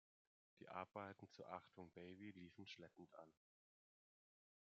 Die Arbeiten zu "Achtung Baby" liefen schleppend an.